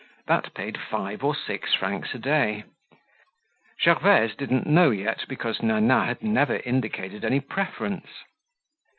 That paid five or six francs a day. Gervaise didn't know yet because Nana had never indicated any preference.